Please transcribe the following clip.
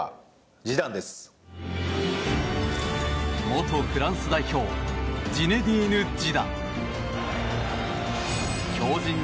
元フランス代表ジネディーヌ・ジダン。